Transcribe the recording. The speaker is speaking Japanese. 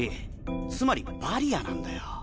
つまりバリアなんだよ。